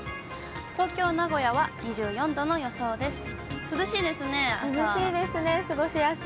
東京、名古屋は２４度の予想です。